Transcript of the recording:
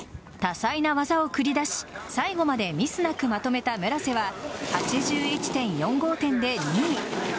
多彩な技を繰り出し最後までミスなくまとめた村瀬は８１．４５点で２位。